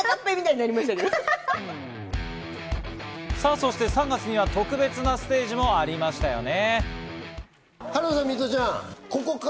そして３月には特別なステージもありましたよね。